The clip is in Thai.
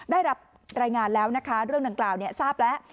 ได้รับรายงานแล้วนะคะเรื่องดังกล่าวทราบแล้ว